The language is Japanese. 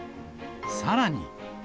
さらに。